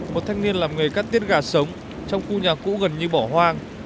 một thanh niên làm nghề cắt tiết gà sống trong khu nhà cũ gần như bỏ hoang